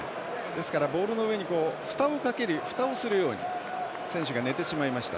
ですから、ボールの上にふたをするように選手が寝てしまいました。